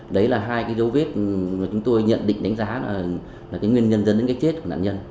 đấy là hai dấu vết mà chúng tôi nhận định đánh giá là nguyên nhân dân đến cách chết của nạn nhân